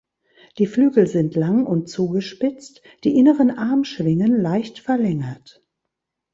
Die Flügel sind lang und zugespitzt, die inneren Armschwingen leicht verlängert.